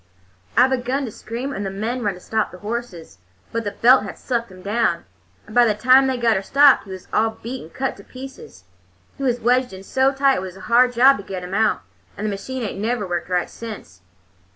"I begun to scream, and the men run to stop the horses, but the belt had sucked him down, and by the time they got her stopped he was all beat and cut to pieces. He was wedged in so tight it was a hard job to get him out, and the machine ain't never worked right since."